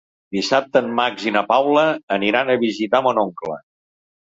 Dissabte en Max i na Paula aniran a visitar mon oncle.